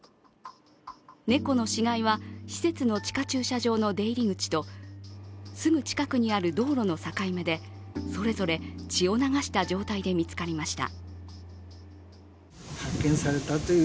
猫の死骸は施設の地下駐車場の出入り口とすぐ近くにある道路の境目でそれぞれ血を流した状態で見つかりました。